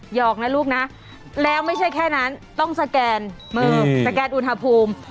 หอกนะลูกนะแล้วไม่ใช่แค่นั้นต้องสแกนมือสแกนอุณหภูมิ